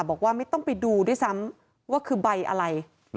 บอกว่าไม่ต้องไปดูด้วยซ้ำว่าคือใบอะไร